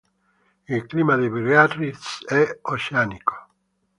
Il clima di Biarritz è oceanico.